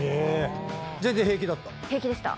全然平気だった？